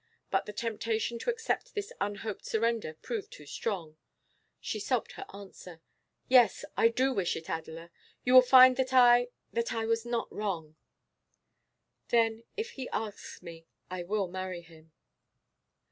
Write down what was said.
But the temptation to accept this unhoped surrender proved too strong. She sobbed her answer. 'Yes, I do wish it, Adela. You will find that I that I was not wrong.' 'Then if he asks me, I will marry him.